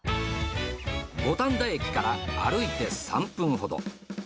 五反田駅から歩いて３分ほど。